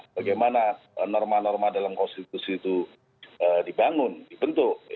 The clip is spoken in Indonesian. bagaimana norma norma dalam konstitusi itu dibangun dibentuk